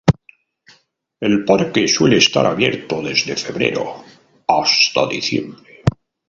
El parque suele estar abierto desde febrero hasta diciembre.